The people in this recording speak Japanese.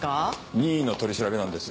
任意の取調べなんです。